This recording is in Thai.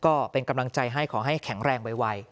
ก็เป็นกำลังใจให้ขอให้แข็งแรงไว